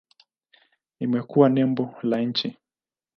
Imekuwa nembo la nchi.